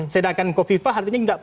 sedangkan kofifa artinya nggak punya